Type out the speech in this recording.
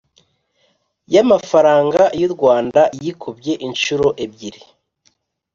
Y amafaranga y u rwanda yikubye inshuro ebyiri